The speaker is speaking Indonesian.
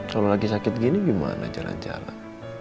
kalau lagi sakit gini gimana jalan jalan